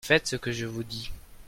faites ce que je vous dis.